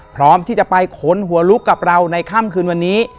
พร้อมที่จะไปขนหัวลุกกับเราในค่ำคืนวันนี้